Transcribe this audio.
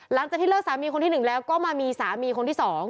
หลังจากที่เลิกสามีคนที่๑แล้วก็มามีสามีคนที่๒